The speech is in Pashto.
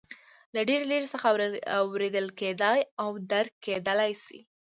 له ډېرې لرې څخه اورېدل کېدای او درک کېدلای شي.